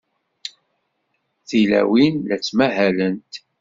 Tilawin la ttmahalent.